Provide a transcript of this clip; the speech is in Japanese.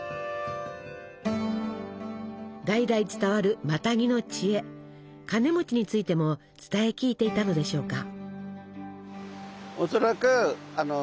代々伝わるマタギの知恵カネについても伝え聞いていたのでしょうか。